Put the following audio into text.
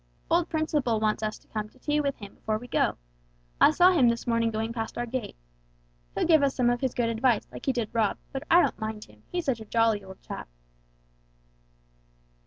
"Old Principle wants us to come to tea with him before we go. I saw him this morning going past our gate. He'll give us some of his good advice like he did Rob, but I don't mind him, he's such a jolly old chap."